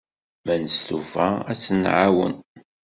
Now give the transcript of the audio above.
Ma nestufa, ad tt-nɛawen.